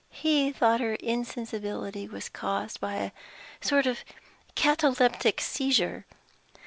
He thought her insensibility was caused by a sort of cataleptic seizure.